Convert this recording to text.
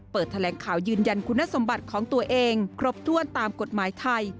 แถลงข่าวยืนยันคุณสมบัติของตัวเองครบถ้วนตามกฎหมายไทย